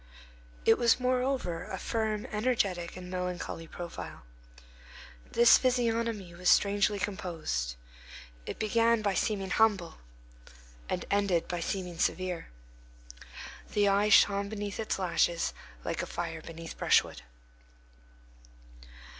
It was, moreover, a firm, energetic, and melancholy profile. This physiognomy was strangely composed; it began by seeming humble, and ended by seeming severe. The eye shone beneath its lashes like a fire beneath brushwood.